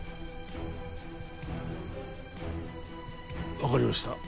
わかりました。